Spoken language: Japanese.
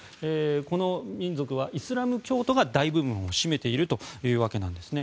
この民族はイスラム教徒が大部分を占めているというわけなんですね。